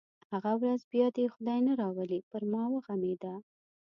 هغه ورځ بیا دې یې خدای نه راولي پر ما وغمېده.